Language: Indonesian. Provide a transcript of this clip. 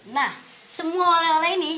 nah semua oleh oleh ini